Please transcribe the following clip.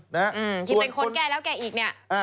ที่เป็นคนแก้แล้วแก้อีกเนี่ย